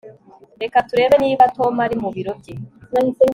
Reka turebe niba Tom ari mu biro bye